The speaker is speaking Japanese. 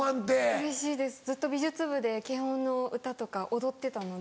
うれしいですずっと美術部で『けいおん！』の歌とか踊ってたので。